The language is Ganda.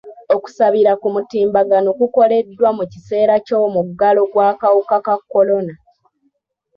Okusabira ku mutimbagano kukoleddwa mu kiseera ky'omuggalo gw'akawuka ka kolona.